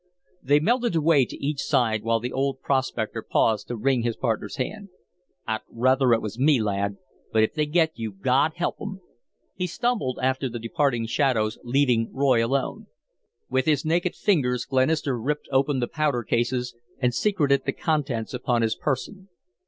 They melted away to each side while the old prospector paused to wring his partner's hand. "I'd ruther it was me, lad, but if they get you God help 'em!" He stumbled after the departing shadows, leaving Roy alone. With his naked fingers, Glenister ripped open the powder cases and secreted the contents upon his person.